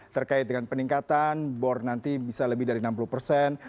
terkait dengan peningkatan bor nanti bisa lebih dari enam puluh persen